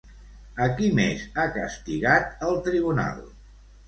A qui més ha castigat el Tribunal?